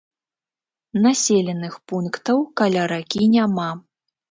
Населеных пунктаў каля ракі няма.